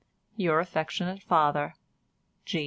—Your affectionate father, "G.